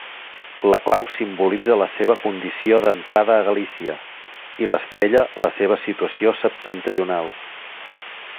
La clau simbolitza la seva condició d'entrada a Galícia, i l'estrella la seva situació septentrional.